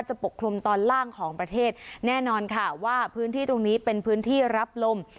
ปกคลุมตอนล่างของประเทศแน่นอนค่ะว่าพื้นที่ตรงนี้เป็นพื้นที่รับลม